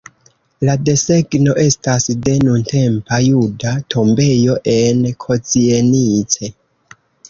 La desegno estas de nuntempa juda tombejo en Kozienice.